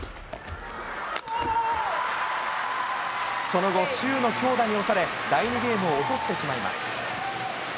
その後、周の強打に押され、第２ゲームを落としてしまいます。